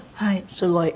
すごい。